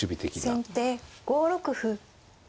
先手５六歩。